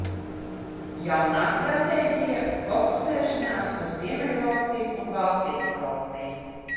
Jaunā stratēģija: fokusēšanās uz Ziemeļvalstīm un Baltijas valstīm.